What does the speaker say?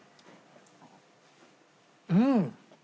うん！